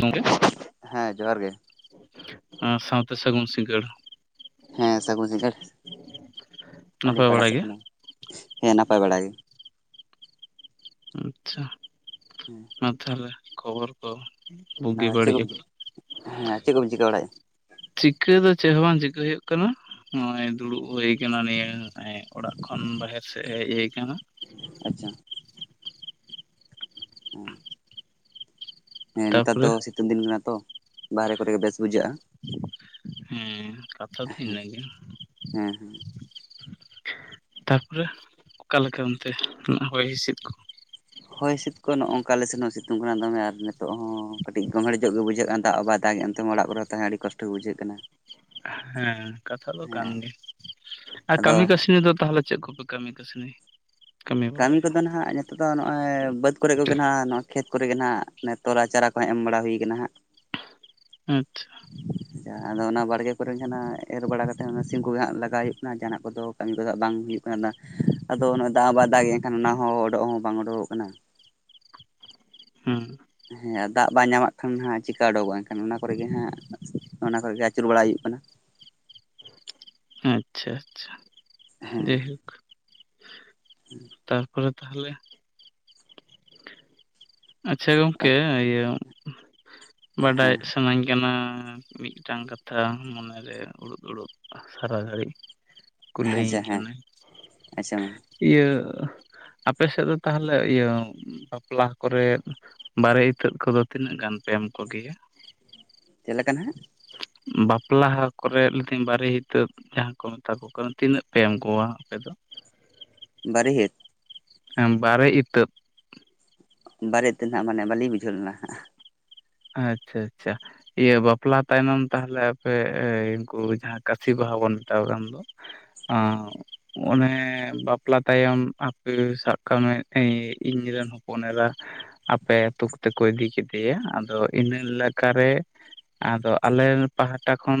ᱜᱚᱝᱠᱮ ᱦᱮᱸ ᱡᱚᱦᱟᱨ ᱜᱮ ᱟᱨ ᱥᱟᱶ ᱛᱮ ᱥᱟᱹᱜᱩᱱ ᱥᱤᱸᱜᱟᱹᱲ ᱦᱮᱸ ᱥᱟᱹᱜᱩᱱ ᱥᱤᱸᱜᱟᱹᱲ ᱟᱹᱞᱤᱧ ᱱᱟᱯᱟᱭ ᱯᱟᱦᱴᱟ ᱵᱟᱲᱟ ᱥᱮᱫ ᱜᱮ ᱠᱷᱚᱱᱟᱜ ᱦᱮᱸ ᱱᱟᱯᱟᱭ ᱵᱟᱲᱟ ᱜᱮ ᱟᱪᱪᱷᱟ ᱦᱮᱸ ᱟᱨ ᱛᱟᱦᱞᱮ ᱠᱷᱚᱵᱚᱨ ᱠᱚ ᱵᱩᱜᱤ ᱪᱮᱫ ᱵᱟᱹᱲᱤᱡ ᱠᱚᱢ ᱟᱠᱚ ᱪᱤᱠᱟᱹ ᱦᱮᱸ ᱪᱮᱫ ᱠᱚᱢ ᱪᱤᱠᱟᱹ ᱵᱟᱲᱟᱭᱮᱫᱼᱟ ᱪᱤᱠᱟᱹ ᱫᱚ ᱪᱮᱫ ᱦᱚᱸ ᱵᱟᱝ ᱪᱤᱠᱟᱹᱭ ᱦᱩᱭᱩᱜ ᱠᱟᱱᱟ ᱱᱚᱜᱼᱚᱭ ᱫᱩᱲᱩᱵ ᱦᱩᱭ ᱟᱠᱟᱱᱟ ᱱᱤᱭᱟᱹ ᱮᱭ ᱚᱲᱟᱜ ᱠᱷᱚᱱ ᱵᱟᱦᱮᱨ ᱥᱮᱡ ᱦᱮᱡ ᱦᱩᱭ ᱟᱠᱟᱱᱟ ᱟᱪᱪᱷᱟ ᱦᱮᱸ ᱦᱮᱸ ᱱᱮᱛᱟᱨ ᱛᱟᱯᱚᱨᱮ ᱫᱚ ᱥᱤᱛᱩᱝ ᱫᱤᱱ ᱠᱟᱱᱟ ᱛᱚ ᱵᱟᱨᱦᱮ ᱠᱚᱨᱮ ᱜᱮ ᱵᱮᱥ ᱵᱩᱡᱷᱟᱹᱜᱼᱟ ᱦᱮᱸ [unintelligible] ᱦᱮᱸ ᱦᱮᱸ ᱛᱟᱨ ᱯᱚᱨᱮ ᱚᱠᱟ ᱞᱮᱠᱟ ᱚᱱᱛᱮ ᱦᱚᱭ ᱦᱤᱸᱥᱤᱫ ᱠᱚ ᱦᱚᱭ ᱦᱤᱸᱥᱤᱫ ᱠᱚᱦᱚ ᱱᱚᱼᱚᱝᱠᱟ ᱟᱞᱮ ᱥᱮᱱ ᱦᱚᱸ ᱥᱤᱛᱩᱝ ᱠᱟᱱᱟ ᱫᱚᱢᱮ ᱟᱨ ᱱᱤᱛᱚᱜ ᱦᱚᱸ ᱠᱟᱹᱴᱤᱡ ᱜᱚᱢᱦᱮᱲᱧᱚᱜ ᱜᱮ ᱵᱩᱡᱷᱟᱹᱜᱼᱟ ᱠᱟᱱᱟ ᱫᱟᱜ ᱦᱚᱸ ᱵᱟᱭ ᱫᱟᱜ ᱮᱜᱼᱟ ᱚᱲᱟᱜ ᱠᱚᱨᱮ ᱛᱟᱦᱮᱸ ᱟᱹᱰᱤ ᱠᱚᱥᱴᱚ ᱵᱩᱡᱷᱟᱹᱜ ᱠᱟᱱᱟ ᱦᱮᱸ ᱠᱟᱛᱷᱟ ᱫᱚ ᱠᱟᱱ ᱦᱮᱸ ᱜᱮᱭᱟ ᱟᱨ ᱟᱫᱚ ᱠᱟᱹᱢᱤ ᱠᱟᱹᱥᱱᱤ ᱫᱚ ᱛᱟᱦᱚᱞᱮ ᱪᱮᱫ ᱠᱚᱯᱮ ᱠᱟᱹᱢᱤ ᱠᱟᱹᱥᱱᱤ ᱠᱟᱹᱢᱤ ᱠᱚᱫᱚ ᱱᱟᱦᱟᱜ ᱱᱤᱛᱚᱜ ᱫᱚ ᱱᱚᱜᱼᱚᱭ ᱵᱟᱹᱫᱽ ᱠᱚᱨᱮ ᱠᱚᱜᱮ ᱟᱪᱪᱷᱟ ᱱᱟᱦᱟᱜ ᱱᱚᱜ ᱠᱷᱮᱛ ᱠᱚᱨᱮ ᱜᱮ ᱱᱟᱦᱟᱜ ᱱᱮᱛᱚᱨᱟ ᱪᱟᱨᱟ ᱠᱚᱦᱟᱜ ᱮᱢ ᱵᱟᱲᱟ ᱦᱩᱭ ᱟᱠᱟᱱᱟ ᱦᱟᱜ ᱟᱪᱪᱷᱟ ᱟᱪᱪᱷᱟ ᱟᱫᱚ ᱚᱱᱟ ᱵᱟᱲᱜᱮ ᱠᱚᱨᱮ ᱡᱟᱦᱟᱱᱟᱜ ᱮᱨ ᱵᱟᱲᱟ ᱠᱟᱛᱮᱫ ᱚᱱᱟ ᱥᱤᱢ ᱠᱚᱜᱮ ᱦᱟᱜ ᱞᱟᱜᱟᱭ ᱦᱩᱭᱩᱜ ᱠᱟᱱᱟ ᱡᱟᱦᱟᱱᱟᱜ ᱠᱚᱫᱚ ᱠᱟᱹᱢᱤ ᱠᱚᱫᱚ ᱦᱟᱜ ᱵᱟᱝ ᱦᱩᱭᱩᱜ ᱠᱟᱱᱟ [unintelligible] ᱟᱫᱚ ᱱᱚᱼᱚᱭ ᱫᱟᱜ ᱵᱟᱭ ᱫᱟᱜ ᱮᱱᱠᱷᱟᱱ ᱚᱱᱟ ᱦᱚᱸ ᱩᱰᱚᱜ ᱦᱚᱸ ᱵᱟᱝ ᱩᱰᱩᱠᱚᱜ ᱠᱟᱱᱟ ᱦᱩᱸ ᱦᱮᱸ ᱫᱟᱜ ᱵᱟᱭ ᱧᱟᱢᱟᱜ ᱠᱷᱟᱱ ᱦᱟᱜ ᱪᱤᱠᱟ ᱩᱰᱩᱠᱚᱜᱼᱟ ᱮᱱᱠᱷᱟᱱ ᱚᱱᱟ ᱠᱚᱨᱮ ᱜᱮ ᱦᱟᱸᱜ ᱚᱱᱟ ᱠᱷᱚᱡ ᱜᱮ ᱟᱹᱪᱩᱨ ᱵᱟᱲᱟᱭ ᱦᱩᱭᱩᱜ ᱠᱟᱱᱟ᱾ ᱟᱪᱪᱷᱟ ᱟᱪᱪᱷᱟ ᱦᱮᱸ ᱡᱮᱦᱤ ᱛᱟᱨᱯᱚᱨᱮ ᱛᱟᱦᱚᱞᱮ ᱟᱪᱪᱷᱟ ᱜᱚᱝᱠᱮ ᱤᱭᱟᱹ, ᱦᱮᱸ ᱵᱟᱰᱟᱭᱚᱜ ᱥᱟᱱᱟᱧ ᱠᱟᱱᱟ᱾ ᱢᱤᱫᱴᱟᱝ ᱠᱟᱛᱷᱟ ᱢᱚᱱᱮᱨᱮ ᱩᱲᱩᱫ ᱩᱲᱩᱫ ᱥᱟᱨᱟ ᱜᱷᱟᱹᱲᱤᱡ᱾ ᱠᱚ ᱞᱟᱹᱭ ᱟᱹᱧ ᱟᱪᱪᱷᱟ ᱦᱮᱸ ᱠᱟᱱᱟ᱾ ᱟᱪᱪᱷᱟ ᱢᱟ ᱤᱭᱟᱹ, ᱟᱯᱮ ᱥᱮᱫ ᱫᱚ ᱛᱟᱦᱚᱞᱮ ᱤᱭᱟᱹ ᱵᱟᱯᱞᱟ ᱠᱚᱨᱮ ᱵᱟᱨᱮ ᱤᱛᱟᱹᱜ ᱠᱚᱫᱚ ᱛᱤᱱᱟᱹᱜ ᱜᱟᱱ ᱯᱮ ᱮᱢ ᱠᱚ ᱜᱮᱭᱟ? ᱪᱮᱫ ᱞᱮᱠᱟ ᱱᱟᱦᱟᱜ? ᱵᱟᱯᱞᱟᱦᱟ ᱠᱚᱨᱮ ᱞᱤᱛᱤᱧ ᱵᱟᱨᱤ ᱦᱤᱛᱟᱹᱜ ᱡᱟᱦᱟᱸ ᱠᱚ ᱢᱮᱛᱟ ᱠᱚ ᱠᱟᱱ ᱛᱤᱱᱟᱹᱜ ᱯᱮ ᱮᱢ ᱠᱚᱣᱟ ᱟᱯᱮ ᱫᱚ? ᱵᱟᱨᱤ ᱦᱤᱛ᱾ ᱦᱮᱢ ᱵᱟᱲᱮ ᱤᱛᱟᱹᱯ᱾ ᱵᱟᱲᱮ ᱛᱮᱱᱟᱜ ᱢᱟᱱᱮ ᱵᱟᱹᱞᱤᱧ ᱵᱩᱡᱷᱟᱹᱣ ᱞᱮᱱᱟ ᱦᱟᱸᱜ᱾ ᱟᱪᱪᱷᱟ ᱟᱪᱪᱷᱟ᱾ ᱤᱭᱟᱹ ᱵᱟᱯᱞᱟ ᱛᱟᱭᱱᱚᱢ ᱛᱟᱦᱚᱞᱮ ᱟᱯᱮ ᱩᱱᱠᱩ ᱡᱟᱦᱟᱸ ᱠᱟᱥᱤ ᱵᱟᱦᱟ ᱵᱚᱱ ᱢᱮᱛᱟᱣ ᱟᱱ ᱫᱚ᱾ ᱟᱨ᱾ ᱚᱱᱮ ᱵᱟᱯᱞᱟ ᱛᱟᱭᱚᱢ ᱟᱯᱮ ᱥᱟᱵ ᱠᱟᱜ ᱢᱮ ᱤ ᱤᱧᱨᱮᱱ ᱦᱚᱯᱚᱱ ᱮᱲᱟ ᱟᱯᱮ ᱟᱹᱛᱩᱠ ᱛᱮᱠᱚ ᱤᱫᱤ ᱠᱮᱫᱮᱭᱟ ᱟᱫᱚ ᱤᱱᱟᱹ ᱞᱟᱠᱟᱨᱮ ᱟᱫᱚ ᱟᱞᱮ ᱯᱟᱦᱟᱴᱟ ᱠᱷᱚᱱ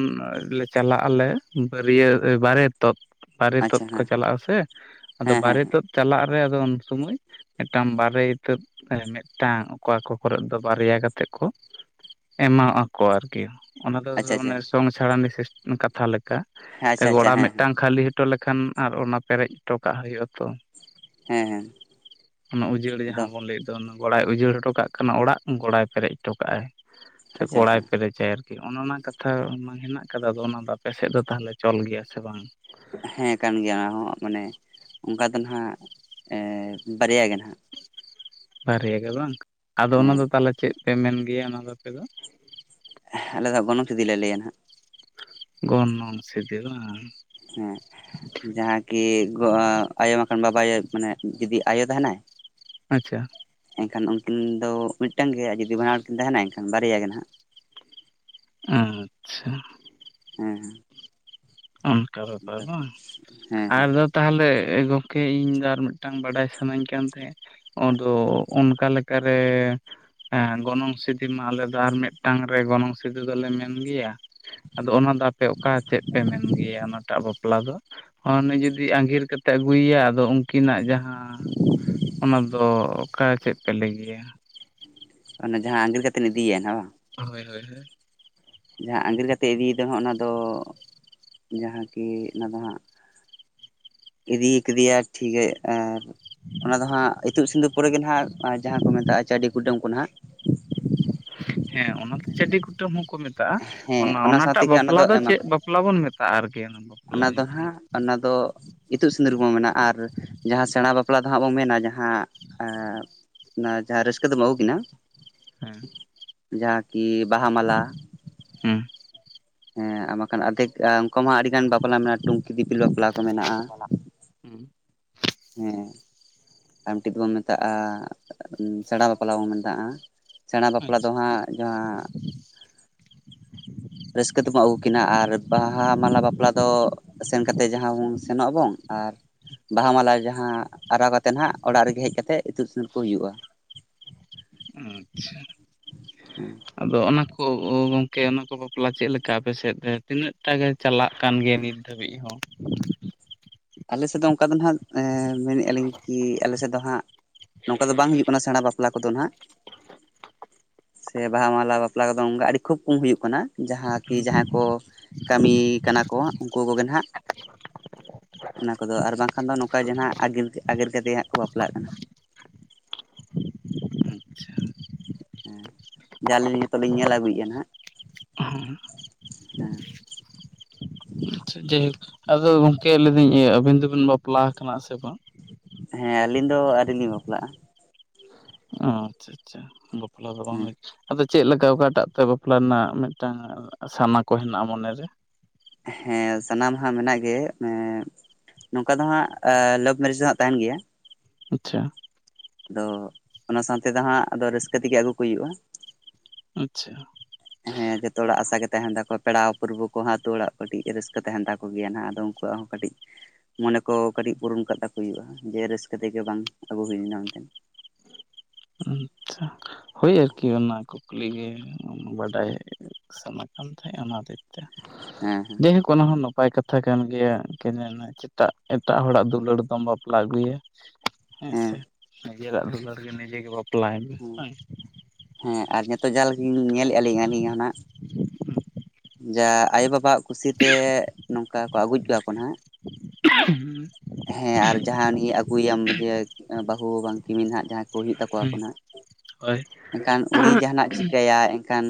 ᱞᱮ ᱪᱟᱞᱟᱜ ᱟᱞᱮ ᱵᱟᱹᱨᱭᱟᱹ ᱵᱟᱨᱮᱛ᱾ ᱛᱚᱫ ᱵᱟᱨᱮ ᱛᱚᱫ ᱟᱪᱪᱷᱟ ᱠᱚ ᱦᱮᱸ ᱪᱟᱞᱟᱜᱼᱟ ᱥᱮ ᱟᱫᱚ ᱦᱮᱸ ᱵᱟᱨᱮ ᱦᱮᱸ ᱛᱚᱫ ᱪᱟᱞᱟᱜ ᱨᱮ ᱟᱫᱚ ᱩᱱ ᱥᱚᱢᱚᱭ ᱢᱤᱫᱴᱟᱝ ᱵᱟᱨᱮ ᱤᱛᱟᱹᱫ ᱢᱤᱫᱴᱟᱝ ᱚᱠᱟ ᱠᱚ ᱠᱚᱨᱮᱫ ᱫᱚ ᱵᱟᱨᱭᱟ ᱠᱟᱛ ᱛᱮᱠᱚ ᱮᱢᱟᱣ ᱟᱜ ᱟᱠᱚ ᱟᱨᱠᱤ ᱚᱱᱟ ᱫᱚ ᱟᱪᱪᱷᱟ ᱟᱫᱚ ᱟᱪᱪᱷᱟ ᱦᱮᱸ ᱢᱟᱱᱮᱥ ᱛᱚᱝ ᱪᱷᱟᱲᱟ ᱢᱤᱥᱮᱥ ᱠᱟᱛᱷᱟ ᱞᱮᱠᱟ ᱟᱪᱪᱷᱟ ᱟᱪᱪᱷᱟ ᱜᱚᱲᱟ ᱦᱮᱸ ᱦᱮᱸ ᱢᱤᱫᱴᱟᱝ ᱠᱷᱟᱹᱞᱤ ᱴᱚ ᱞᱮᱠᱷᱟᱱ ᱟᱨ ᱚᱱᱟ ᱯᱮᱨᱮᱡ ᱴᱚ ᱠᱟᱜ ᱦᱩᱭᱩᱜᱼᱟ ᱛᱚ᱾ ᱦᱮᱸ ᱦᱮᱸ ᱚᱱᱟ ᱩᱡᱟᱹᱲ ᱫᱚ ᱡᱟᱦᱟᱸ ᱵᱚᱱ ᱞᱟᱹᱭᱮᱫ᱾ ᱛᱚ ᱟᱱᱟ ᱜᱚᱲᱟᱭ ᱩᱡᱟᱹᱲ ᱦᱚᱴᱚ ᱠᱟᱜ ᱠᱟᱱ ᱚᱲᱟᱜ ᱜᱚᱲᱟᱭ ᱯᱮᱨᱮᱡ ᱴᱚ ᱠᱟᱜᱼᱟᱭ ᱥᱮ ᱟᱪᱪᱷᱟ ᱟᱪᱪᱷᱟ ᱠᱚᱲᱟᱭ ᱯᱮᱨᱮᱡ᱾ ᱪᱮ ᱟᱨᱠᱤ ᱚᱱᱮ ᱚᱱᱟ ᱠᱟᱛᱷᱟ ᱢᱟ ᱦᱮᱱᱟᱜ ᱠᱟᱫᱟ ᱟᱫᱚ ᱚᱱᱟ ᱫᱚ ᱟᱯᱮ ᱥᱮᱫ ᱫᱚ ᱛᱟᱦᱚᱞᱮ ᱪᱚᱞ ᱜᱮᱭᱟ ᱥᱮ ᱵᱟᱝ? ᱦᱮᱸ ᱠᱟᱱ ᱜᱮᱭᱟ ᱚᱱᱟ ᱦᱚᱸ ᱢᱟᱱᱮ ᱚᱱᱠᱟ ᱫᱚ ᱱᱟᱦᱟᱜ ᱵᱟᱨᱭᱟ ᱜᱮ ᱱᱟᱦᱟᱜ᱾ ᱵᱟᱨᱭᱟ ᱜᱮ ᱵᱟᱝ, ᱟᱫᱚ ᱦᱮᱸ ᱚᱱᱟ ᱫᱚ ᱛᱟᱦᱚᱞᱮ ᱪᱮᱫ ᱯᱮ ᱢᱮᱱ ᱜᱮᱭᱟ ᱚᱱᱟ ᱫᱚ ᱟᱯᱮ ᱫᱚ? ᱟᱞᱮ ᱫᱚ ᱜᱚᱱᱚᱝ ᱪᱷᱤᱫᱤᱞ ᱞᱮ ᱞᱟᱹᱭᱟ ᱱᱟᱦᱟᱸᱜ᱾ ᱜᱚᱱᱚᱝ ᱥᱤᱫᱤ ᱵᱟᱝ? ᱦᱮᱸ᱾ ᱡᱟᱦᱟᱸ ᱠᱤ ᱟᱭᱳ ᱢᱟᱠᱷᱟᱱ ᱵᱟᱵᱟᱭ ᱟᱭᱳ ᱢᱟᱱᱮ ᱡᱩᱫᱤ ᱟᱭᱳ ᱛᱟᱦᱮᱱᱟᱭ᱾ ᱟᱪᱪᱷᱟ᱾ ᱮᱱᱠᱷᱟᱱ ᱩᱱᱠᱤᱱ ᱫᱚ ᱢᱤᱫᱴᱟᱝ ᱜᱮ ᱟᱨ ᱡᱩᱫᱤ ᱵᱟᱱᱟᱨ ᱦᱚᱲ ᱠᱤᱱ ᱛᱟᱦᱮᱸᱱᱟ ᱮᱱᱠᱷᱟᱱ ᱵᱟᱨᱭᱟ ᱜᱮ ᱱᱟᱦᱟᱜ᱾ ᱟᱪᱪᱷᱟ᱾ ᱦᱮᱸ᱾ ᱚᱱᱠᱟ ᱵᱮᱯᱟᱨ ᱵᱟᱝ, ᱦᱮᱸ ᱦᱮᱸ ᱟᱨᱫᱚᱯ ᱛᱟᱦᱚᱞᱮ ᱜᱚᱝᱠᱮ ᱤᱧᱫᱚ ᱟᱨ ᱢᱤᱫᱴᱟᱝ ᱵᱟᱰᱟᱭ ᱥᱟᱱᱟᱧ ᱠᱟᱱ ᱛᱟᱦᱮᱸᱫ᱾ ᱚᱸᱫᱚ ᱚᱱᱠᱟ ᱞᱮᱠᱟᱨᱮ ᱦᱮᱸ ᱜᱚᱱᱚᱝ ᱥᱤᱫᱤ ᱢᱟ ᱟᱞᱮ ᱫᱚ ᱟᱨ ᱢᱤᱫᱴᱟᱝ ᱨᱮ ᱜᱚᱱᱚᱝ ᱥᱤᱫᱤ ᱫᱚᱞᱮ ᱢᱮᱱ ᱜᱮᱭᱟ᱾ ᱟᱫᱚ ᱚᱱᱟ ᱫᱚ ᱟᱯᱮ ᱚᱠᱟ ᱪᱮᱫ ᱯᱮ ᱢᱮᱱ ᱜᱮᱭᱟ ᱚᱱᱟᱴᱟᱜ ᱵᱟᱯᱞᱟ ᱫᱚ? ᱚᱱᱮ ᱡᱩᱫᱤ ᱟᱸᱜᱤᱨ ᱠᱟᱛᱮᱜ ᱟᱹᱜᱩᱭᱭᱟ ᱟᱫᱚ ᱩᱱᱠᱤᱱᱟᱜ ᱡᱟᱦᱟᱸ ᱚᱱᱟ ᱫᱚ ᱚᱠᱟ ᱪᱮᱫ ᱯᱮ ᱞᱟᱹᱭ ᱜᱮᱭᱟ? ᱚᱱᱮ ᱡᱟᱦᱟᱸ ᱟᱸᱜᱤᱨ ᱠᱟᱛᱮᱱ ᱤᱫᱤᱭ ᱮᱱᱟ ᱵᱟᱝ? ᱦᱳᱭ ᱦᱳᱭ ᱦᱳᱭ᱾ ᱡᱟᱦᱟᱸ ᱟᱸᱜᱤᱨ ᱠᱟᱛᱮᱜ ᱤᱫᱤᱭ ᱫᱚ ᱦᱟᱸᱜ ᱚᱱᱟ ᱫᱚ ᱡᱟᱦᱟᱸ ᱠᱤ ᱚᱱᱟ ᱫᱚ ᱦᱟᱸᱜ ᱤᱫᱤ ᱠᱮᱫᱮᱭᱟ ᱴᱷᱤᱠ ᱜᱮ ᱟᱨ ᱚᱱᱟ ᱫᱚ ᱦᱟᱜ ᱤᱛᱩᱜ ᱥᱤᱸᱫᱩᱨ ᱯᱚᱨᱮᱜ ᱜᱮ ᱦᱟᱜ ᱡᱟᱦᱟᱸ ᱠᱚ ᱢᱮᱛᱟᱜ-ᱟ ᱪᱟᱹᱰᱤ ᱠᱩᱰᱟᱹᱢ ᱠᱚ ᱱᱟᱦᱟ-ᱜ ᱦᱮ ᱚᱱᱟ ᱪᱟᱹᱰᱤ ᱠᱩᱴᱟᱹᱢ ᱦᱚᱠᱚ ᱢᱮᱛᱟᱜ-ᱟ ᱦᱮᱸ ᱚᱱᱟ ᱥᱟᱶ ᱚᱱᱟᱴᱟᱜ ᱛᱮᱜᱮ ᱚᱱᱟ ᱵᱟᱯᱞᱟ ᱫᱚ ᱮᱢᱟ ᱠᱚ ᱪᱮᱫ ᱵᱟᱯᱞᱟ ᱵᱟᱯᱞᱟ ᱵᱚᱱ ᱢᱮᱛᱟᱜ-ᱟ ᱟᱨᱠᱤ ᱵᱟᱯᱞᱟ ᱚᱱᱟ ᱫᱚ ᱧᱩᱛᱩᱢ ᱦᱟᱜ ᱚᱱᱟ ᱫᱚ ᱤᱛᱩᱫ ᱥᱤᱸᱫᱩᱨ ᱵᱚᱱ ᱢᱮᱱᱟ ᱟᱨ ᱡᱟᱦᱟᱸ ᱥᱮᱬᱟ ᱵᱟᱯᱞᱟ ᱫᱚ ᱦᱟᱜ ᱵᱚᱱ ᱢᱮᱱᱟ ᱡᱟᱦᱟᱸ ᱦᱮ ᱚᱱᱟ ᱡᱟᱦᱟᱸ ᱨᱟᱹᱥᱠᱟᱹ ᱫᱚᱢ ᱟᱹᱜᱩᱠᱤᱱᱟ ᱦᱩᱸ ᱡᱟᱦᱟᱸ ᱠᱤ ᱵᱟᱦᱟ ᱢᱟᱞᱟ ᱦᱩᱸ ᱦᱮ ᱟᱨ ᱵᱟᱠᱷᱟᱱ ᱟᱫᱷᱮᱠ ᱟ ᱩᱱᱠᱩ ᱢᱟ ᱟᱹᱰᱤ ᱜᱟᱱ ᱵᱟᱯᱞᱟ ᱢᱮᱱᱟᱜ-ᱟ ᱴᱩᱝᱠᱤ ᱫᱤᱯᱤᱞ ᱵᱟᱯᱞᱟ ᱠᱚ ᱢᱮᱱᱟᱜ-ᱟ ᱚᱱᱟ ᱦᱩᱸ᱾ ᱦᱮᱸ᱾ ᱟᱢᱴᱤᱡ ᱫᱚᱵᱚᱱ ᱢᱮᱛᱟᱜ-ᱟ ᱥᱮᱬᱟ ᱵᱟᱯᱞᱟ ᱵᱚᱱ ᱢᱮᱛᱟᱜ-ᱟ ᱥᱮᱬᱟ ᱟᱪᱪᱷᱟ ᱵᱟᱯᱞᱟ ᱫᱚ ᱦᱟᱜ ᱡᱟᱦᱟᱸ ᱨᱟᱹᱥᱠᱟᱹ ᱛᱮᱵᱚᱱ ᱟᱹᱜᱩ ᱠᱤᱱᱟ ᱟᱨ ᱵᱟᱦᱟ ᱢᱟᱞᱟ ᱵᱟᱯᱞᱟ ᱫᱚ ᱥᱮᱱ ᱠᱟᱛᱮᱫ ᱡᱟᱦᱟᱸ ᱵᱚᱱ ᱥᱮᱱᱚᱜ ᱟᱵᱚᱱ ᱟᱨ ᱵᱟᱦᱟ ᱢᱟᱞᱟ ᱡᱟᱦᱟᱸ ᱟᱨᱟᱣ ᱠᱟᱛᱮ ᱛᱮ ᱱᱟᱦᱟᱜ ᱚᱲᱟᱜ ᱨᱮᱜᱮ ᱦᱮᱡ ᱠᱟᱛᱮᱜ ᱤᱛᱩᱫ ᱥᱩᱱᱩᱨ ᱠᱚ ᱦᱩᱭᱩᱜ-ᱟ ᱾ ᱟᱪᱪᱷᱟ ᱟᱫᱚ ᱚᱱᱟ ᱠᱚ ᱜᱚᱝᱠᱮ ᱚᱱᱟ ᱠᱚ ᱵᱟᱯᱞᱟ ᱪᱮᱫ ᱞᱮᱠᱟ ᱟᱯᱮᱥᱮᱫ ᱨᱮ ᱛᱤᱱᱟᱹᱜᱴᱟ ᱪᱟᱞᱟᱜ ᱠᱟᱱ ᱜᱮᱭᱟ ᱱᱤᱛ ᱫᱷᱟᱹᱵᱤᱡ ᱦᱚᱸ ᱟᱞᱮᱥᱮᱫ ᱫᱚ ᱚᱱᱠᱟ ᱫᱚ ᱱᱟᱦᱟᱜ ᱢᱮᱱᱮᱫ-ᱟ ᱞᱤᱧ ᱠᱤ ᱟᱞᱮᱥᱮᱫ ᱫᱚ ᱦᱟᱜ ᱱᱚᱝᱠᱟ ᱫᱚ ᱵᱟᱝ ᱦᱩᱭᱩᱜ ᱠᱟᱱᱟ ᱥᱮᱬᱟ ᱵᱟᱯᱞᱟ ᱠᱚᱫᱚ ᱱᱟᱦᱟᱜ ᱥᱮ ᱵᱟᱦᱟ ᱢᱟᱞᱟ ᱵᱟᱯᱞᱟ ᱠᱚᱫᱚ ᱚᱱᱠᱟ ᱟᱹᱰᱤ ᱠᱷᱩᱵ ᱠᱚᱢ ᱦᱩᱭᱩᱜ ᱠᱟᱱᱟ ᱡᱟᱦᱟᱸ ᱠᱤ ᱡᱟᱦᱟᱸ ᱠᱚ ᱠᱚ ᱠᱟᱹᱢᱤ ᱠᱟᱱᱟ ᱠᱚ ᱩᱱᱠᱩ ᱠᱚᱜᱮ ᱱᱟᱦᱟᱜ ᱚᱱᱟ ᱠᱚᱫᱚ ᱟᱨ ᱵᱟᱝᱠᱷᱟᱱ ᱫᱚ ᱱᱚᱠᱟ ᱡᱟᱦᱟᱜ ᱟᱜᱤᱨ ᱟᱜᱤᱨ ᱠᱟᱛᱮ ᱦᱟᱜ ᱠᱚ ᱵᱟᱯᱞᱟᱜ ᱠᱟᱱᱟ ᱟᱪᱪᱷᱟ ᱦᱮ ᱡᱟ ᱟᱹᱞᱤᱧ ᱱᱤᱛᱚᱜ ᱞᱤᱧ ᱧᱮᱞ ᱟᱹᱜᱩᱭᱮᱫ-ᱟ ᱱᱟᱜ ᱦᱮᱸ ᱟᱪᱪᱷᱟ ᱡᱟᱭᱦᱳᱠ ᱟᱫᱚ ᱜᱚᱢᱠᱮ ᱞᱟᱹᱭ ᱫᱟᱹᱧ ᱟᱹᱵᱤᱱ ᱫᱚᱵᱤᱱ ᱵᱟᱯᱞᱟ ᱟᱠᱟᱱᱟ ᱥᱮ ᱵᱟᱝ ᱦᱮ ᱟᱹᱞᱤᱧ ᱫᱚ ᱟᱹᱣᱨᱤ ᱞᱤᱧ ᱵᱟᱯᱞᱟᱜ-ᱟ ᱚ ᱟᱪᱪᱷᱟ ᱟᱪᱪᱷᱟ ᱵᱟᱯᱞᱟ ᱫᱚ ᱵᱟᱝ ᱦᱩᱭ ᱦᱮᱸ ᱟᱫᱚ ᱪᱮᱫ ᱞᱮᱠᱟ ᱚᱠᱟᱴᱟᱜ ᱛᱮ ᱵᱟᱯᱞᱟ ᱨᱮᱱᱟᱜ ᱢᱤᱫᱴᱟᱝ ᱥᱟᱱᱟ ᱠᱚ ᱦᱮᱱᱟᱜ-ᱟ ᱢᱚᱱᱮ ᱨᱮ ᱦᱮ ᱥᱟᱱᱟᱢᱟᱜ ᱢᱮᱱᱟᱜ ᱜᱮ ᱢᱮᱼᱼ ᱱᱚᱝᱠᱟ ᱫᱚ ᱦᱟᱜ ᱞᱟᱵᱷ ᱢᱮᱨᱮᱡᱽ ᱫᱚ ᱦᱟᱜ ᱛᱟᱦᱮᱱ ᱜᱮᱭᱟ ᱟᱪᱪᱷᱟ ᱟᱫᱚ ᱚᱱᱟ ᱥᱟᱶᱛᱮ ᱫᱚ ᱦᱟᱜ ᱟᱫᱚ ᱨᱟᱹᱥᱠᱟᱹ ᱛᱮᱜᱮ ᱟᱹᱜᱩ ᱠᱚ ᱦᱩᱭᱩᱜ-ᱟ ᱾ ᱟᱪᱪᱷᱟ ᱦᱮ ᱡᱚᱛᱚ ᱦᱚᱲᱟᱜ ᱟᱥᱟ ᱜᱮ ᱛᱟᱦᱮᱱ ᱛᱟᱠᱚᱣᱟ ᱯᱮᱲᱟ ᱯᱚᱲᱦᱩ ᱠᱚᱦᱟᱜ ᱟᱹᱛᱩ ᱚᱲᱟᱜ ᱠᱟᱹᱴᱤᱡ ᱨᱟᱹᱥᱠᱟᱹ ᱛᱟᱦᱮᱱ ᱛᱟᱠᱚ ᱜᱮᱭᱟ ᱱᱟᱜ ᱟᱫᱚ ᱩᱱᱠᱩ ᱩᱱᱠᱩᱣᱟᱜ ᱦᱚ ᱠᱟᱹᱴᱤᱡ ᱢᱚᱱᱮ ᱠᱚ ᱠᱟᱹᱴᱤᱡ ᱯᱩᱨᱩᱱ ᱟᱠᱟᱜ ᱛᱟᱠᱚ ᱦᱩᱭᱩᱜ-ᱟ ᱡᱮ ᱨᱟᱹᱥᱠᱟᱹ ᱛᱮᱜᱮ ᱵᱟᱝ ᱟᱹᱜᱩ ᱦᱩᱭ ᱞᱮᱱᱟ ᱢᱮᱱᱛᱮ ᱟᱪᱪᱷᱟ ᱦᱳᱭ ᱟᱨᱠᱤ ᱚᱱᱟ ᱠᱩᱠᱞᱤ ᱜᱮ ᱵᱟᱰᱟᱭ ᱥᱮᱱᱚᱜ ᱠᱟᱱ ᱛᱟᱦᱮᱫ ᱚᱱᱟ ᱦᱚᱛᱮᱡ ᱛᱮ ᱦᱮᱸ ᱦᱮᱸ ᱡᱮ ᱦᱳᱠ ᱚᱱᱟ ᱦᱚᱸ ᱱᱟᱯᱟᱭ ᱠᱟᱛᱷᱟ ᱠᱟᱱ ᱜᱮᱭᱟ ᱪᱮᱫᱟᱜ ᱮᱴᱟᱜ ᱦᱚᱲᱟᱜ ᱫᱩᱞᱟᱹᱲ ᱫᱚᱢ ᱵᱟᱯᱞᱟ ᱟᱹᱜᱩᱭᱟ ᱦᱮᱸ ᱦᱮᱸᱥᱮ ᱱᱤᱡᱮᱨᱟᱜ ᱫᱩᱞᱟᱹᱲ ᱜᱮ ᱱᱤᱡᱮ ᱜᱮ ᱵᱟᱯᱞᱟᱭ ᱢᱮ ᱦᱮᱸ ᱦᱳᱭ ᱥᱮ ᱦᱮᱸ ᱟᱨ ᱱᱤᱛᱚᱜ ᱡᱟ ᱧᱮᱞᱮᱫ-ᱟ ᱞᱤᱧ ᱟᱹᱞᱤᱧᱱᱟᱜ ᱡᱟ ᱟᱭᱳ ᱵᱟᱵᱟᱣᱟᱜ ᱠᱩᱥᱤᱛᱮ ᱱᱚᱝᱠᱟ ᱠᱚ ᱟᱹᱜᱩᱡ ᱠᱚᱣᱟ ᱠᱚ ᱱᱟᱦᱟᱜ ᱦᱮᱸ ᱟᱨ ᱡᱟᱦᱟᱸ ᱩᱱᱤ ᱟᱹᱜᱩᱭᱟᱢ ᱡᱮ ᱵᱟᱹᱦᱩ ᱵᱟᱝ ᱠᱤᱢᱤᱱ ᱦᱟᱸᱜ ᱡᱟᱦᱟᱭ ᱠᱚ ᱦᱳᱭᱳᱜ ᱛᱟᱣᱟ ᱠᱚ ᱱᱟᱜ ᱦᱳᱭ ᱮᱱᱠᱷᱟᱱ ᱩᱱᱤ ᱡᱟᱦᱟᱱᱟᱜ ᱪᱤᱠᱟᱹᱭᱟ ᱮᱱᱠᱷᱟᱱ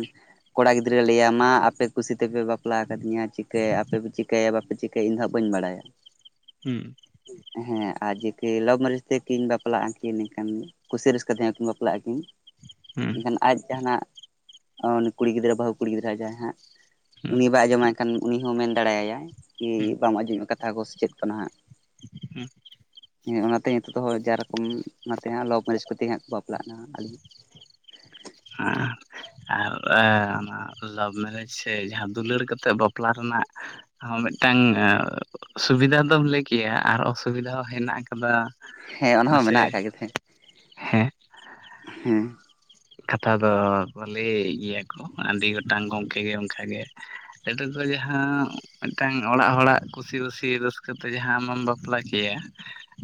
ᱠᱚᱲᱟ ᱜᱤᱫᱽᱨᱟᱹ ᱞᱟᱹᱭᱟ ᱢᱟ ᱟᱯᱮ ᱠᱩᱥᱤ ᱛᱮᱯᱮ ᱵᱟᱯᱞᱟ ᱟᱠᱟᱫᱤᱧᱟ ᱪᱤᱠᱟᱹᱭᱟ ᱟᱯᱮᱯᱮ ᱪᱤᱠᱟᱹᱭᱟ ᱵᱟᱯᱮ ᱪᱤᱠᱟᱹᱭᱟ ᱤᱧ ᱫᱚ ᱦᱟᱸᱜ ᱵᱟᱹᱧ ᱵᱟᱲᱟᱭᱟ ᱦᱩᱸ ᱦᱮᱸ ᱟᱨ ᱡᱮᱠᱤ ᱞᱚᱵᱷ ᱢᱮᱨᱮᱡ ᱛᱮᱠᱤᱧ ᱵᱟᱯᱞᱟᱜᱼᱟ ᱠᱤᱱ ᱤᱠᱷᱟᱱ ᱠᱩᱥᱤ ᱨᱟᱹᱥᱠᱟᱹ ᱛᱟᱦᱮᱸ ᱠᱤᱱ ᱵᱟᱯᱞᱟᱜᱼᱟᱠᱤᱱ ᱦᱩᱸ ᱮᱱᱠᱷᱟᱱ ᱟᱡ ᱡᱟᱦᱟᱱᱟᱜ ᱠᱩᱲᱤ ᱜᱤᱫᱽᱨᱟᱹ ᱵᱟᱹᱦᱩ ᱠᱩᱲᱤ ᱜᱤᱫᱽᱨᱟᱹ ᱡᱟᱦᱟᱸᱭ ᱦᱟᱸᱜ ᱩᱱᱤ ᱵᱟᱭ ᱟᱸᱡᱚᱢᱟᱭ ᱮᱱᱠᱷᱟᱱ ᱩᱱᱤ ᱦᱚᱸ ᱢᱮᱱ ᱫᱟᱲᱮᱟᱭᱟᱭ ᱠᱤ ᱦᱩᱸ ᱵᱟᱢ ᱟᱸᱡᱚᱢᱚᱜᱼᱟ ᱠᱟᱛᱷᱟ ᱠᱚ ᱥᱮ ᱪᱮᱫ ᱠᱟᱱᱟ ᱦᱟᱸᱜ ᱻ ᱦᱮᱸ ᱚᱱᱟᱛᱮ ᱱᱤᱛᱚᱜ ᱦᱚᱸ ᱡᱟ ᱨᱚᱠᱚᱢ ᱚᱱᱟᱛᱮ ᱦᱟᱸᱜ ᱞᱚᱵ ᱢᱮᱨᱮᱡᱽ ᱠᱚᱛᱮ ᱦᱟᱸᱜ ᱠᱚ ᱵᱟᱯᱞᱟᱜ ᱠᱟᱱᱟ ᱟᱹᱞᱤᱧ ᱦᱟᱸ ᱚᱱᱟ ᱞᱟᱵᱷ ᱢᱮᱨᱮᱡᱽ ᱥᱮ ᱡᱟᱦᱟᱸ ᱫᱩᱞᱟᱹᱲ ᱠᱟᱛᱮᱫ ᱵᱟᱯᱞᱟ ᱨᱮᱱᱟᱜ ᱢᱤᱫᱴᱟᱝ ᱥᱩᱵᱤᱫᱷᱟ ᱫᱚᱢ ᱞᱟᱹᱭ ᱠᱮᱭᱟ ᱟᱨ ᱚᱥᱩᱵᱤᱫᱟ ᱦᱚᱸ ᱦᱮᱱᱟᱜ ᱠᱟᱫᱟ ᱦᱮᱸ ᱚᱱᱟ ᱦᱚᱸ ᱢᱮᱱᱟᱜ ᱠᱟᱫ ᱜᱮ ᱛᱟᱦᱮᱸᱜ ᱦᱮᱸ ᱦᱮᱸ ᱠᱟᱛᱷᱟ ᱫᱚ ᱞᱟᱹᱭᱮᱫ ᱜᱮᱭᱟ ᱠᱚ ᱟᱹᱰᱤ ᱜᱚᱴᱟᱝ ᱜᱚᱝᱠᱮ ᱜᱮ ᱚᱱᱠᱟᱜᱮ ᱱᱮᱛᱟᱨ ᱫᱚ ᱡᱟᱦᱟᱸ ᱢᱤᱫᱴᱟᱝ ᱚᱲᱟᱜ ᱦᱚᱲᱟᱜ ᱠᱩᱥᱤ ᱨᱟᱹᱥᱤ ᱨᱟᱹᱥᱠᱟᱹ ᱛᱮ ᱡᱟᱦᱟᱸ ᱟᱢᱮᱢ ᱵᱟᱯᱞᱟ ᱠᱮᱭᱟ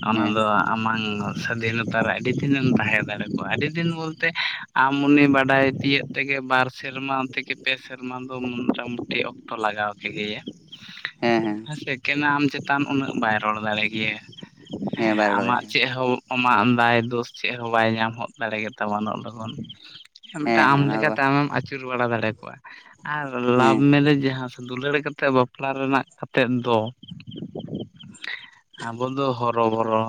ᱚᱱᱟ ᱦᱮᱸ ᱫᱚ ᱟᱢᱟᱝ ᱥᱟᱫᱷᱤᱱᱚᱛᱟ ᱨᱮ ᱟᱹᱰᱤ ᱫᱤᱱᱮᱢ ᱛᱟᱦᱮᱸ ᱫᱟᱲᱮ ᱠᱚᱣᱟ ᱟᱹᱰᱤ ᱫᱤᱱ ᱵᱚᱞᱛᱮ ᱟᱢ ᱩᱱᱤ ᱵᱟᱰᱟᱭ ᱛᱤᱭᱟᱹᱜ ᱛᱮᱜᱮ ᱵᱟᱨ ᱥᱮᱨᱢᱟ ᱛᱷᱮᱠᱮ ᱯᱮ ᱥᱮᱨᱢᱟ ᱫᱚ ᱢᱚᱴᱟ ᱢᱩᱴᱤ ᱚᱠᱛᱚ ᱞᱟᱜᱟᱣ ᱮᱜᱮᱭᱟ ᱦᱮᱸ ᱦᱮᱸ ᱥᱮᱠᱮᱱ ᱟᱢ ᱪᱮᱛᱟᱱ ᱩᱱᱟᱹᱜ ᱵᱟᱭ ᱨᱚᱲ ᱫᱟᱲᱮ ᱜᱮᱭᱟ ᱦᱮᱸ ᱵᱟᱭ ᱨᱚᱲ ᱟᱢᱟᱜ ᱫᱟᱲᱮᱭᱟᱜᱼᱟ ᱪᱮᱫ ᱦᱚᱸ ᱟᱢᱟᱜ ᱫᱟᱭ ᱫᱳᱥ ᱪᱮᱫ ᱦᱚᱸ ᱵᱟᱭ ᱧᱟᱢ ᱦᱚᱸᱫ ᱫᱟᱲᱮ ᱜᱮᱛᱟᱢᱟ ᱩᱱᱟᱜ ᱞᱚᱜᱚᱱ ᱦᱮᱸ ᱢᱤᱫᱴᱟᱝ ᱟᱢ ᱦᱮᱸ ᱚᱱᱟ ᱫᱚ ᱞᱮᱠᱟᱛᱮ ᱵᱟᱝ ᱟᱢᱮᱢ ᱟᱹᱪᱩᱨ ᱵᱟᱲᱟ ᱫᱟᱲᱮ ᱠᱚᱣᱟ ᱟᱨ ᱦᱮᱸ ᱞᱟᱵᱷ ᱢᱮᱨᱮᱡᱽ ᱡᱟᱦᱟᱸ ᱫᱩᱞᱟᱹᱲ ᱠᱟᱛᱮᱫ ᱵᱟᱯᱞᱟ ᱨᱮᱱᱟᱜ ᱠᱟᱛᱮᱜ ᱫᱚ ᱻ ᱟᱵᱚ ᱫᱚ ᱦᱚᱨᱚᱵᱚᱨᱚ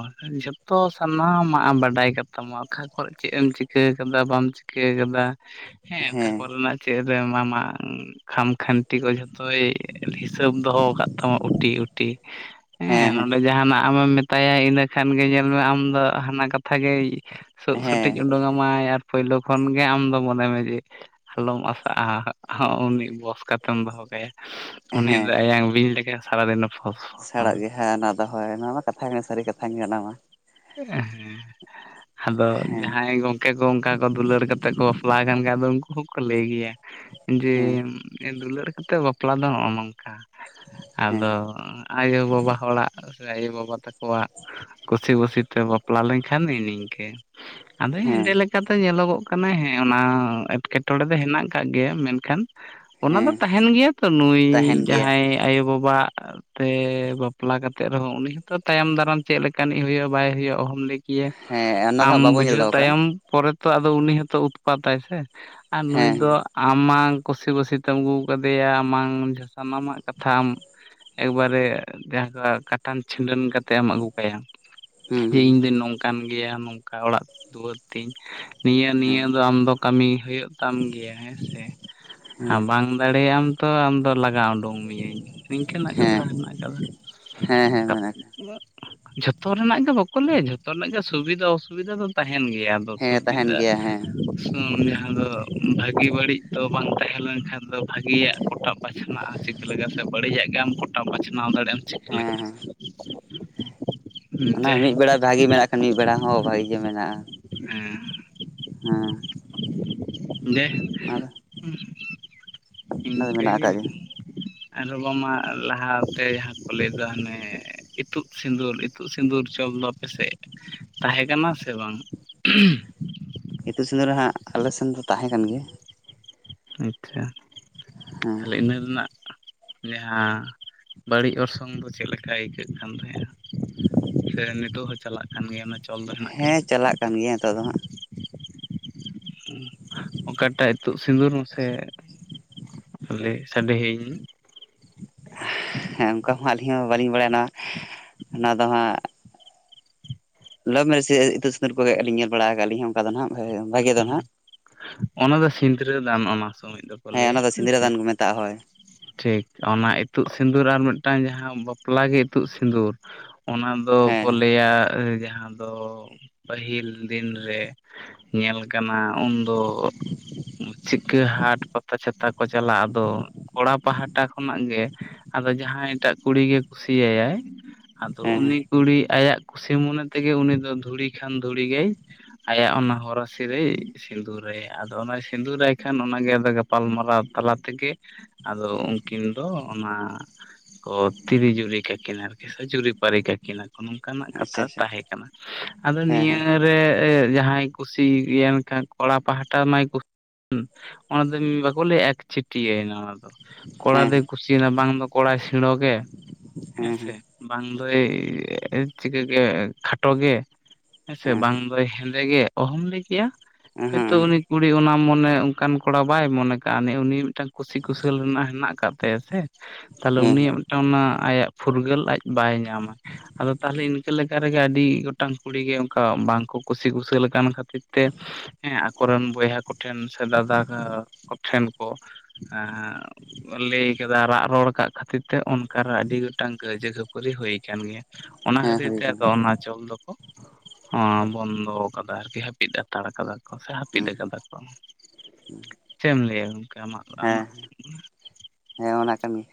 ᱡᱚᱛᱚ ᱥᱟᱱᱟᱢᱟᱜ ᱵᱟᱰᱟᱭ ᱠᱟᱛᱟᱢᱟ ᱠᱷᱟ ᱠᱷᱚ ᱪᱮᱫ ᱮᱢ ᱪᱤᱠᱟᱹ ᱠᱟᱫᱟ ᱵᱟᱢ ᱪᱤᱠᱟᱹ ᱠᱟᱫᱟ ᱦᱮᱸ ᱚᱠᱟ ᱠᱚᱨᱮᱱᱟᱜ ᱪᱮᱫ ᱨᱮ ᱟᱢᱟᱜ ᱠᱷᱟᱢᱠᱷᱟᱹᱱᱴᱤ ᱠᱚ ᱡᱷᱚᱛᱚᱭ ᱦᱤᱥᱟᱹᱵ ᱫᱚᱦᱚ ᱠᱟᱫ ᱛᱟᱢᱟ ᱩᱴᱤ ᱩᱴᱤ ᱦᱮᱸ ᱱᱚᱰᱮ ᱡᱟᱦᱱᱟᱜ ᱟᱢᱮᱢ ᱢᱮᱛ ᱛᱟᱭᱟᱭ ᱤᱱᱟᱹ ᱠᱷᱟᱱ ᱜᱮ ᱧᱮᱞᱢᱮ ᱟᱢ ᱫᱚ ᱦᱟᱱᱟ ᱠᱟᱛᱷᱟ ᱜᱮᱭ ᱥᱳᱜ ᱦᱮᱸ ᱥᱚᱴᱤᱡᱽ ᱚᱰᱳᱝ ᱟᱢᱟᱭ ᱟᱨ ᱯᱳᱭᱞᱳ ᱠᱷᱚᱱ ᱜᱮ ᱟᱢ ᱫᱚ ᱢᱚᱱᱮ ᱢᱮ ᱡᱮ ᱟᱞᱚᱢ ᱟᱥᱟᱜᱼᱟ ᱩᱱᱤ ᱵᱚᱥ ᱠᱟᱛᱮᱢ ᱫᱚᱦᱚ ᱠᱟᱭᱟ ᱩᱱᱤ ᱟᱭᱟᱝ ᱵᱤᱧ ᱞᱮᱠᱟ ᱥᱟᱨᱟ ᱫᱤᱱ ᱥᱮᱲᱚᱜ ᱜᱮ ᱦᱮᱸ ᱚᱱᱟ ᱫᱚ ᱦᱳᱭ ᱱᱚᱣᱟ ᱢᱟ ᱠᱟᱛᱷᱟ ᱜᱮ ᱥᱟᱹᱨᱤ ᱠᱟᱛᱷᱟ ᱚᱱᱟ ᱢᱟ ᱦᱮᱸ ᱻ ᱟᱫᱚ ᱡᱟᱦᱟᱸᱭ ᱜᱚᱝᱠᱮ ᱠᱚ ᱚᱱᱠᱟ ᱠᱚ ᱫᱩᱞᱟᱹᱲ ᱠᱟᱛᱮ ᱠᱚ ᱵᱟᱯᱞᱟ ᱠᱟᱱ ᱠᱷᱟᱱ ᱫᱚ ᱩᱱᱠᱩ ᱦᱚᱸᱠᱚ ᱞᱟᱹᱭ ᱜᱮᱭᱟ ᱡᱮ ᱦᱮᱸ ᱫᱩᱞᱟᱹᱲ ᱠᱟᱛᱮ ᱵᱟᱯᱞᱟ ᱫᱚ ᱦᱚᱸᱜ ᱱᱚᱝᱠᱟ ᱦᱮᱸ ᱟᱫᱚ ᱟᱭᱳ ᱵᱟᱵᱟ ᱦᱚᱲᱟᱜ ᱥᱮ ᱟᱭᱳ ᱵᱟᱵᱟ ᱛᱟᱠᱚᱣᱟᱜ ᱠᱩᱥᱤ ᱵᱩᱥᱤ ᱛᱮ ᱵᱟᱼᱼ ᱼᱼᱯᱞᱟ ᱞᱮᱱᱠᱷᱟᱱ ᱱᱤᱝᱤ ᱱᱤᱝᱠᱟᱹ ᱟᱫᱚ ᱮᱸᱰᱮ ᱦᱮᱸ ᱞᱮᱠᱟ ᱞᱮᱠᱟᱛᱮ ᱧᱮᱞᱚᱜᱚᱜ ᱠᱟᱱᱟ ᱦᱮᱸ ᱚᱱᱟ ᱮᱸᱴᱠᱮᱴᱚᱬᱮ ᱫᱚ ᱦᱮᱱᱟᱜ ᱟᱠᱟᱫ ᱜᱮᱭᱟ ᱢᱮᱱᱠᱷᱟᱱ ᱚᱱᱟ ᱫᱚ ᱦᱮᱸ ᱛᱟᱦᱮᱱ ᱜᱮᱭᱟ ᱛᱚ ᱱᱩᱭ ᱛᱟᱦᱮᱱ ᱜᱮᱭᱟ ᱡᱟᱦᱟᱸᱭ ᱟᱭᱳ ᱵᱟᱵᱟᱣ ᱟᱜ ᱛᱮ ᱵᱟᱯᱞᱟ ᱠᱟᱛᱮᱫ ᱨᱮᱦᱚᱸ ᱩᱱᱤ ᱦᱚᱸᱛᱚ ᱛᱟᱭᱚᱢ ᱫᱟᱨᱟᱢ ᱪᱮᱫ ᱞᱮᱠᱟᱱᱤᱡ ᱦᱩᱭᱩᱜᱼᱟ ᱵᱟᱭ ᱦᱩᱭᱩᱜᱼᱟ ᱚᱦᱚᱢ ᱞᱟᱹᱭ ᱠᱮᱭᱟ ᱦᱮᱸ ᱚᱱᱟ ᱫᱚ ᱟᱢ ᱦᱟᱸᱜ ᱵᱟᱵᱚ ᱧᱮᱞ ᱵᱩᱡᱷᱟᱹᱣ ᱫᱚᱦᱚ ᱠᱟᱜᱼᱟ ᱛᱟᱭᱚᱢ ᱯᱚᱨᱮ ᱛᱚ ᱟᱫᱚ ᱩᱱᱤ ᱦᱚᱸᱛᱚ ᱩᱛᱯᱟᱛᱟᱭ ᱥᱮ ᱟᱨ ᱱᱩᱭ ᱫᱚ ᱦᱮᱸ ᱟᱢᱟᱝ ᱠᱩᱥᱤ ᱵᱟᱥᱤ ᱛᱮᱢ ᱟᱹᱜᱩ ᱠᱟᱫᱮᱭᱟ ᱟᱢᱟᱝ ᱥᱟᱱᱟᱢᱟᱜ ᱠᱟᱛᱷᱟᱢ ᱮᱠᱵᱟᱨᱮ ᱡᱟᱦᱟᱸ ᱠᱟᱴᱟᱱ ᱪᱷᱤᱸᱲᱟᱹᱱ ᱠᱟᱛᱮᱫ ᱮᱢ ᱟᱹᱜᱩ ᱠᱟᱭᱟ ᱡᱮ ᱦᱮᱸ ᱤᱧᱫᱚᱧ ᱱᱚᱝᱠᱟᱱ ᱜᱮᱭᱟ ᱱᱚᱝᱠᱟ ᱚᱲᱟᱜ ᱫᱩᱣᱟᱹᱨ ᱛᱤᱧ᱾ ᱱᱤᱭᱟᱹ ᱦᱮᱸ ᱱᱤᱭᱟᱹ ᱫᱚ ᱟᱢ ᱫᱚ ᱠᱟᱹᱢᱤ ᱦᱩᱭᱩᱜ ᱛᱟᱢ ᱜᱮᱭᱟ ᱦᱮᱸ ᱥᱮ ᱟᱨ ᱵᱟᱝ ᱫᱟᱲᱮᱭᱟᱜᱼᱟᱢ ᱛᱚ ᱟᱢᱫᱚ ᱞᱟᱜᱟ ᱩᱸᱰᱩᱝ ᱢᱤᱭᱟᱹᱧ ᱱᱤᱝᱠᱟᱹᱱᱟᱜ ᱠᱟᱛᱷᱟ ᱦᱮᱸ ᱦᱮᱸ ᱦᱮᱱᱟᱜ ᱟᱠᱟᱫᱟ ᱦᱮᱸ ᱦᱮᱸ ᱢᱮᱱᱟᱜ ᱟᱠᱟᱫᱟ ᱡᱷᱚᱛᱚ ᱨᱮᱱᱟᱜ ᱜᱮ ᱵᱟᱠᱚ ᱞᱟᱹᱭᱟ ᱡᱷᱚᱛᱚ ᱨᱮᱱᱟᱜ ᱜᱮ ᱥᱩᱵᱤᱫᱟ ᱚᱥᱩᱵᱤᱫᱟ ᱫᱚ ᱛᱟᱸᱦᱮᱱ ᱜᱮᱭᱟ ᱟᱫᱚ ᱦᱮᱸ ᱛᱟᱦᱮᱱ ᱥᱩᱵᱤᱫᱟ ᱜᱮᱭᱟ ᱦᱮᱸ ᱦᱩᱸ ᱡᱟᱦᱟᱸ ᱫᱚ ᱵᱷᱟᱹᱜᱤ ᱵᱟᱹᱲᱤᱡ ᱛᱚ ᱵᱟᱝ ᱛᱟᱦᱮᱸ ᱞᱮᱱᱠᱷᱟᱱ ᱫᱚ ᱵᱷᱟᱜᱤᱭᱟᱜ ᱯᱚᱴᱟᱼᱼ ᱵᱟᱪᱷᱱᱟᱜᱼᱟ ᱪᱤᱠᱟᱹ ᱞᱮᱠᱟ ᱛᱮ ᱵᱟᱹᱲᱤᱡᱟᱜ ᱜᱮᱢ ᱜᱚᱴᱟ ᱵᱟᱪᱷᱱᱟᱣ ᱫᱟᱲᱮᱭᱟᱜ ᱟᱢ ᱪᱤᱠᱟᱹ ᱦᱮᱸ ᱞᱮᱠᱟ ᱦᱮᱸ ᱚᱱᱟ ᱡᱮ ᱢᱤᱜ ᱵᱮᱲᱟ ᱵᱷᱟᱜᱮ ᱢᱮᱱᱟᱜ ᱠᱷᱟᱱ ᱢᱤᱫ ᱵᱮᱲᱟ ᱦᱚᱸ ᱵᱷᱟᱜᱮ ᱜᱮ ᱢᱮᱱᱟᱜᱼᱟ ᱦᱮᱸ ᱫᱮ ᱚᱱᱟ ᱫᱚ [unintelligible] ᱚᱱᱟ ᱫᱚ ᱤᱱᱠᱟᱹ ᱢᱮᱱᱟᱜ ᱜᱮ ᱟᱠᱟᱫ ᱜᱮᱭᱟ ᱟᱫᱚ ᱵᱟᱝᱢᱟ ᱞᱟᱦᱟᱛᱮ ᱡᱟᱦᱟᱸ ᱠᱚ ᱞᱟᱹᱭᱫᱟ ᱦᱟᱱᱮ ᱤᱛᱩᱫ ᱥᱤᱸᱫᱩᱨ ᱤᱛᱩᱫ ᱥᱤᱸᱫᱩᱨ ᱪᱚᱞ ᱫᱚ ᱟᱯᱮ ᱥᱮᱜ ᱛᱟᱦᱮᱸ ᱠᱟᱱᱟ ᱥᱮ ᱵᱟᱝ? ᱤᱛᱩᱜ ᱥᱤᱸᱫᱩᱨ ᱦᱟᱸᱜ ᱟᱞᱮ ᱥᱮᱱ ᱫᱚ ᱛᱟᱦᱮᱸ ᱠᱟᱱ ᱜᱮᱭᱟ᱾ ᱟᱪᱪᱷᱟ ᱦᱮᱸ ᱛᱟᱦᱚᱞᱮ ᱤᱱᱟᱹ ᱨᱮᱱᱟᱜ ᱡᱟᱦᱟᱸ ᱵᱟᱹᱲᱤᱡ ᱚᱨᱥᱚᱝ ᱫᱚ ᱪᱮᱫ ᱞᱮᱠᱟ ᱟᱹᱭᱠᱟᱹᱜ ᱠᱟᱱ ᱛᱟᱦᱮᱸᱜᱼᱟ? ᱥᱮ ᱱᱤᱛᱚᱜ ᱦᱚᱸ ᱪᱟᱞᱟᱜ ᱠᱟᱱ ᱜᱮᱭᱟ ᱢᱟ ᱪᱮᱫ? ᱦᱮᱸ ᱪᱟᱞᱟᱜ ᱠᱟᱱ ᱜᱮᱭᱟ ᱱᱤᱛᱚᱜ ᱫᱚ ᱦᱟᱸᱜ ᱚᱠᱟᱴᱟᱜ ᱤᱛᱩᱫ ᱥᱤᱸᱫᱩᱨ ᱢᱟ ᱥᱮ ᱞᱮ ᱥᱟᱰᱮᱭᱟᱹᱧ ᱢᱮ ᱦᱮᱸ ᱚᱝᱠᱟ ᱦᱚᱸ ᱵᱟᱹᱞᱤᱧ ᱦᱚᱸ ᱵᱟᱹᱞᱤᱧ ᱵᱟᱲᱟᱭᱟ ᱱᱚᱣᱟ, ᱱᱚᱣᱟ ᱫᱚ ᱦᱟᱸᱜ ᱞᱚᱵ ᱢᱮᱨᱮᱡ ᱥᱮ ᱤᱛᱩᱫ ᱥᱤᱱᱫᱩᱨ ᱠᱚᱨᱮᱜ ᱟᱹᱞᱤᱧ ᱧᱮᱞ ᱵᱟᱲᱟ ᱟᱠᱟᱜᱼᱟᱞᱤᱧ ᱚᱱᱠᱟ ᱫᱚ ᱱᱟᱦ ᱵᱷᱟᱜᱮ ᱫᱚ ᱱᱟᱦᱟᱜ ᱚᱱᱟ ᱫᱚ ᱥᱤᱱᱫᱽᱨᱟᱹ ᱫᱟᱱ ᱚᱱᱟ ᱥᱚᱢᱚᱭ ᱫᱚᱠᱚ ᱞᱟᱹᱭᱟ ᱚᱱᱟ ᱫᱚ ᱦᱮᱸ ᱥᱤᱸᱫᱽᱨᱟᱹ ᱥᱮ ᱫᱟᱱ ᱠᱚ ᱢᱮᱛᱟᱜᱼᱟ ᱦᱳᱭ ᱴᱷᱤᱠ ᱚᱱᱟ ᱤᱛᱩᱜ ᱥᱤᱸᱫᱩᱨ ᱟᱨ ᱢᱤᱫᱴᱟᱝ ᱡᱟᱦᱟᱸ ᱵᱟᱯᱞᱟ ᱜᱮ ᱤᱛᱩᱜ ᱥᱤᱸᱫᱩᱨ ᱚᱱᱟ ᱫᱚ ᱠᱚ ᱦᱮᱸ ᱞᱟᱹᱭᱟ ᱡᱟᱦᱟᱸ ᱫᱚ ᱯᱟᱹᱦᱤᱞ ᱫᱤᱱ ᱨᱮ ᱧᱮᱞ ᱠᱟᱱᱟ ᱩᱱᱫᱚ ᱪᱤᱠᱟᱹ ᱦᱟᱴ ᱯᱟᱛᱟ ᱪᱷᱟᱛᱟ ᱠᱚ ᱪᱟᱞᱟᱜ ᱟᱫᱚ ᱠᱚᱲᱟ ᱯᱟᱦᱴᱟ ᱠᱷᱚᱱᱟᱜ ᱜᱮ ᱟᱫᱚ ᱡᱟᱦᱟᱸᱭ ᱮᱴᱟᱜ ᱠᱩᱲᱤᱜᱮ ᱠᱩᱥᱤᱭᱟᱭᱟᱭ ᱟᱫᱚ ᱦᱮᱸ ᱦᱮᱸ ᱩᱱᱤ ᱠᱩᱲᱤ ᱟᱭᱟᱜ ᱠᱩᱥᱤ ᱢᱚᱱᱮ ᱛᱮᱜᱮ ᱩᱱᱤ ᱫᱚ ᱫᱷᱩᱲᱤ ᱠᱷᱟᱱ ᱫᱷᱩᱲᱤ ᱜᱮᱭ ᱟᱭᱟᱜ ᱚᱱᱟ ᱦᱚᱨᱟᱼᱼ ᱼᱼᱥᱤ ᱨᱮᱭ ᱥᱤᱸᱫᱩᱨᱟᱭᱟ ᱟᱫᱚ ᱚᱱᱟ ᱥᱤᱸᱫᱩᱨᱟᱭ ᱠᱷᱟᱱ ᱚᱱᱟᱜᱮ ᱟᱫᱚ ᱜᱟᱯᱟᱞᱢᱟᱨᱟᱣ ᱛᱟᱞᱟ ᱛᱮᱜᱮ ᱟᱫᱚ ᱩᱱᱠᱤᱱ ᱫᱚ ᱚᱱᱟ ᱠᱚ ᱛᱤᱨᱤ ᱡᱩᱨᱤ ᱠᱟᱠᱤᱱ ᱟᱨᱠᱤ ᱥᱮ ᱡᱩᱨᱤᱯᱟᱹᱨᱤ ᱠᱟᱠᱤᱱᱟ ᱱᱚᱜᱼᱱᱚᱝᱠᱟᱱᱟᱜ ᱟᱪᱪᱷᱟ ᱠᱟᱛᱷᱟ ᱟᱪᱪᱷᱟ ᱛᱟᱦᱮᱸ ᱠᱟᱱᱟ ᱟᱫᱚ ᱦᱮᱸ ᱦᱮᱸ ᱱᱤᱭᱟᱹᱨᱮ ᱡᱟᱦᱟᱸᱭ ᱠᱩᱥᱤ ᱭᱮᱱ ᱠᱷᱟᱱ ᱠᱚᱲᱟ ᱯᱟᱦᱴᱟ ᱢᱟᱭ ᱠᱩᱥᱤ ᱦᱩᱸ ᱚᱱᱟ ᱫᱚ ᱵᱟᱠᱚ ᱞᱮ ᱮᱠᱪᱟᱹᱴᱤᱭᱟᱹᱭ ᱱᱟ ᱚᱱᱟ ᱫᱚ ᱠᱚᱲᱟ ᱦᱮᱸ ᱫᱚᱭ ᱠᱩᱥᱤᱭᱟᱱᱟ ᱵᱟᱝ ᱫᱚ ᱠᱚᱲᱟᱭ ᱥᱮᱬᱚ ᱜᱮ ᱦᱮᱸ ᱥᱮ ᱵᱟᱝ ᱫᱚᱻᱭ ᱪᱤᱠᱟᱹᱜᱮ ᱠᱷᱟᱴᱚ ᱜᱮ ᱦᱮᱸᱥᱮ ᱵᱟᱝ ᱦᱮᱸ ᱫᱚ ᱦᱮᱸᱫᱮ ᱜᱮ ᱚᱦᱚᱢ ᱞᱟᱹᱭ ᱠᱮᱭᱟ ᱦᱮᱸ ᱦᱚᱭᱛᱳ ᱦᱮᱸ ᱩᱱᱤ ᱠᱩᱲᱤ ᱚᱱᱟ ᱢᱚᱱᱮ ᱚᱱᱠᱟᱱ ᱠᱚᱲᱟ ᱵᱟᱭ ᱢᱚᱱᱮ ᱠᱟᱜᱼᱟ, ᱩᱱᱤ ᱩᱱᱤ ᱢᱤᱫᱴᱟᱝ ᱠᱩᱥᱤ ᱠᱩᱥᱟᱹᱞ ᱨᱮᱱᱟᱜ ᱦᱮᱱᱟᱜ ᱟᱠᱟᱫ ᱛᱟᱭᱟ ᱥᱮ ᱦᱮᱸ ᱛᱟᱦᱞᱮ ᱦᱮᱸ ᱦᱮᱸ ᱩᱱᱤᱭᱟᱜ ᱢᱤᱫᱴᱟᱝ ᱚᱱᱟ ᱟᱭᱟᱜ ᱯᱷᱩᱨᱜᱟᱹᱞ ᱟᱡ ᱵᱟᱭ ᱧᱟᱢᱟ ᱾ ᱟᱫᱚ ᱛᱟᱦᱚᱞᱮ ᱤᱱᱠᱟᱹ ᱞᱮᱠᱟ ᱨᱮᱜᱮ ᱟᱹᱰᱤ ᱜᱚᱴᱟᱝ ᱠᱩᱲᱤ ᱜᱮ ᱚᱝᱠᱟ ᱵᱟᱝᱠᱚ ᱠᱩᱥᱤ ᱠᱩᱥᱟᱹᱞ ᱠᱟᱱ ᱠᱷᱟᱹᱛᱤᱨ ᱛᱮ ᱦᱮᱸ ᱟᱠᱚᱨᱮᱱ ᱵᱚᱭᱦᱟ ᱠᱚᱴᱷᱮᱱ ᱥᱮ ᱫᱟᱫᱟ ᱠᱚᱴᱷᱮᱱ ᱠᱚ [unintelligible] ᱦᱮᱸ ᱦᱮᱸ ᱞᱟᱹᱭ ᱟᱠᱟᱫᱟ ᱨᱟᱜ ᱨᱚᱲ ᱟᱠᱟᱜ ᱠᱷᱟᱹᱛᱤᱨ ᱛᱮ ᱚᱱᱠᱟᱨᱮ ᱟᱹᱰᱤ ᱜᱚᱴᱟᱝ ᱠᱟᱹᱭᱡᱟᱹ ᱠᱷᱟᱹᱯᱟᱹᱨᱤ ᱦᱩᱭ ᱟᱠᱟᱱ ᱜᱮᱭᱟ ᱚᱱᱟ ᱦᱮᱸ ᱠᱷᱟᱹᱛᱤᱨ ᱦᱩᱭ ᱛᱮ ᱟᱫᱚ ᱟᱠᱟᱱᱟ ᱚᱱᱟ ᱪᱚᱞ ᱫᱚᱠᱚ ᱚᱸ ᱵᱚᱱᱫᱚ ᱫᱚ ᱟᱨᱠᱤ ᱦᱟᱹᱯᱤᱫ ᱦᱟᱛᱟᱲ ᱠᱟᱫᱟ ᱠᱚ ᱥᱮ ᱦᱟᱹᱯᱤᱫ ᱦᱮᱸ ᱟᱠᱟᱫᱟ ᱠᱚ ᱪᱮᱢ ᱞᱟᱹᱭᱟ ᱜᱚᱝᱠᱮ ᱟᱢᱟᱜ ᱦᱮᱸ ᱟᱢᱟᱜ ᱦᱮᱸ ᱚᱱᱟ ᱠᱟᱱ ᱜᱮ